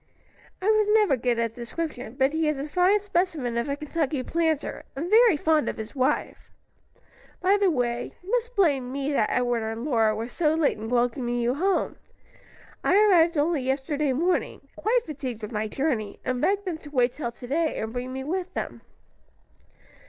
"I was never good at description, but he is a fine specimen of a Kentucky planter, and very fond of his wife. By the way, you must blame me that Edward and Lora were so late in welcoming you home. I arrived only yesterday morning, quite fatigued with my journey, and begged them to wait till to day, and bring me with them."